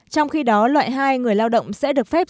trong khi đó loại hai người lao động sẽ được phép